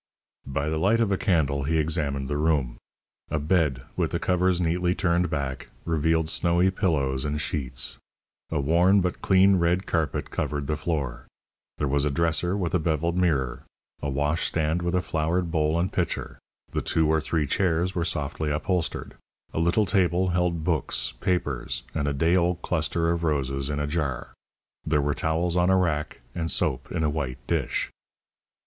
By the light of a candle he examined the room. A bed, with the covers neatly turned back, revealed snowy pillows and sheets. A worn, but clean, red carpet covered the floor. There was a dresser with a beveled mirror, a washstand with a flowered bowl and pitcher; the two or three chairs were softly upholstered. A little table held books, papers, and a day old cluster of roses in a jar. There were towels on a rack and soap in a white dish.